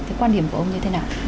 thế quan điểm của ông như thế nào